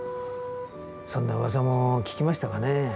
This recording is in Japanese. そんなうわさも聞きましたかね。